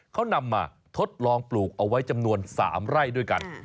เขานำมาทดลองปลูกเอาไว้จำนวน๓ไร่ด้วยกัน